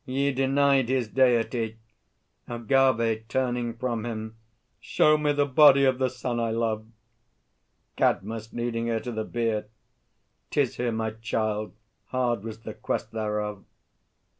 Ye denied his deity! AGAVE (turning from him). Show me the body of the son I love! CADMUS (leading her to the bier). 'Tis here, my child. Hard was the quest thereof.